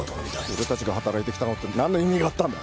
俺たちが働いてきたのって何の意味があったんだ！